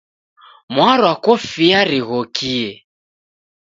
Mwarwa kofia righokie